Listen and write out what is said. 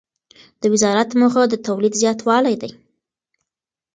د وزارت موخه د تولید زیاتوالی دی.